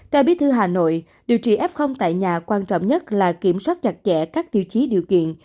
ca bí thư hà nội điều trị f tại nhà quan trọng nhất là kiểm soát chặt chẽ các tiêu chí điều kiện